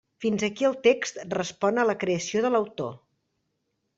Fins aquí el text respon a la creació de l'autor.